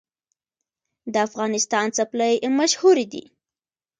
د افغانستان څپلۍ مشهورې دي